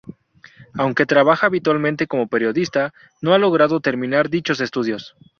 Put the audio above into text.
Aunque trabaja habitualmente como periodista, no ha logrado terminar dichos estudios.